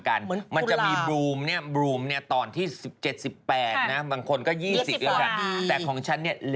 ของคุณแม่อายุประมาณเท่าไรคะอายุเท่าไรของคุณแม่ตอนนั้นเนี่ย